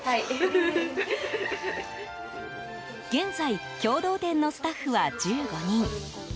現在、経堂店のスタッフは１５人。